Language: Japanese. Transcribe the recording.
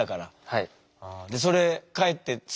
はい。